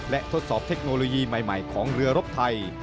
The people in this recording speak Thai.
และทดสอบเทคโนโลยีใหม่ของเรือรบไทย